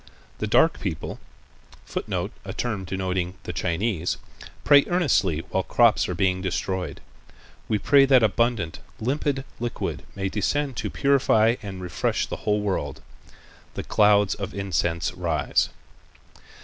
The dark people [Footnote: A term denoting the Chinese.] pray earnestly while crops are being destroyed. We pray that abundant, limpid liquid may descend to purify and refresh the whole world. The clouds of incense rise."